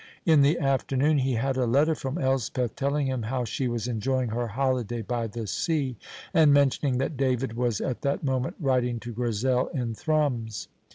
In the afternoon he had a letter from Elspeth telling him how she was enjoying her holiday by the sea, and mentioning that David was at that moment writing to Grizel in Thrums.